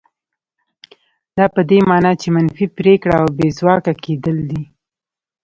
دا په دې مانا چې منفي پرېکړه او بې ځواکه کېدل دي.